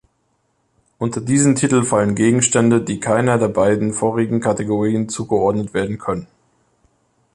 Unter diesen Titel fallen Gegenstände, die keiner der beiden vorigen Kategorien zugeordnet werden können.